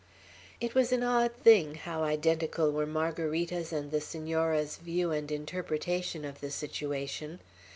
It was an odd thing, how identical were Margarita's and the Senora's view and interpretation of the situation.